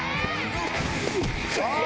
ああ！